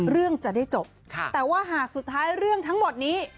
เรื่องจะได้จบแต่ว่าหากสุดท้ายเรื่องทั้งหมดนี้